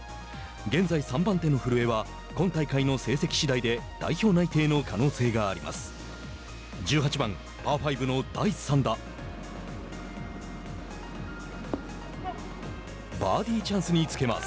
現在３番手の古江は今大会の成績次第で代表内定の可能性があります。